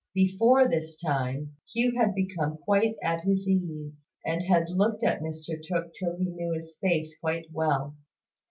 Before this time, Hugh had become quite at his ease, and had looked at Mr Tooke till he knew his face quite well.